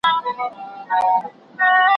چي عبرت د لوى او کم، خان او نادار سي